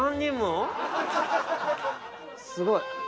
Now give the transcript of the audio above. すごい。